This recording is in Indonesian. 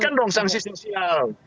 berikan dong sanksi sosial